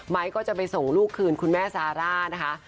ก็จะไปส่งลูกคืนคุณแม่ซาร่านะคะ